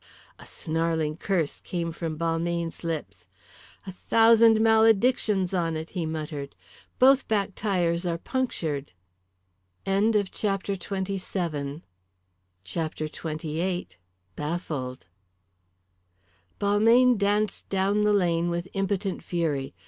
A snarling curse came from Balmayne's lips. "A thousand maledictions on it!" he muttered. "Both back tyres are punctured!" CHAPTER XXVIII. BAFFLED. Balmayne danced down the lane with impotent fury.